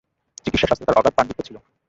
চিকিৎসাশাস্ত্রে তাঁর অগাধ পান্ডিত্য ছিল।